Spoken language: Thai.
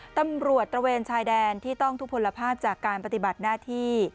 ตำรวจตระเวนชายแดนที่ต้องทุกผลภาพจากการปฏิบัติหน้าที่